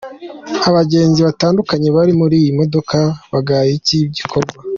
Abagenzi batandukanye bari muri iyi modoka bagaye iki gikorwa.